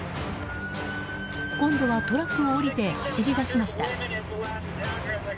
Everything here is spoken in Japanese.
今度はトラックを降りて走り出しました。